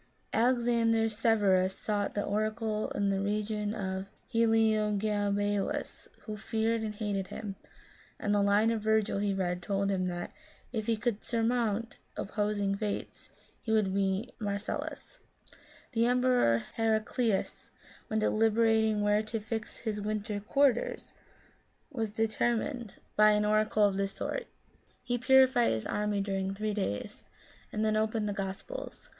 Alexander Severus sought the oracle in the reign of Heliogabalus, who feared and hated him ; and the line of Virgil he read told him that " if he could surmount opposing fates, he would be Marcellus." The Emperor Heraclius, when deliber ating where to fix his winter quarters, was determined S 257 Curiosities of Olden Times by an oracle of this sort. He purified his army during three days, and then opened the Gospels.